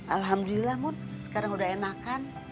alhamdulillah mun sekarang udah enakan